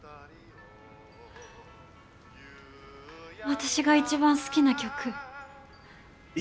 私が一番好きな曲。え！？